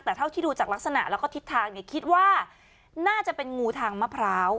แต่เท่าที่ดูจากลักษณะแล้วก็ทิศทางเนี่ยคิดว่าน่าจะเป็นงูทางมะพร้าว